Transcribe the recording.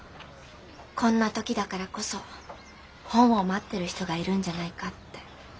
こんな時だからこそ本を待ってる人がいるんじゃないかって。